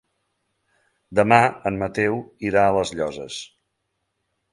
Demà en Mateu irà a les Llosses.